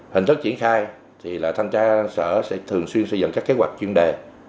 hình thức triển khai thì là thanh tra sở sẽ thường xuyên xây dựng các kế hoạch chuyên đề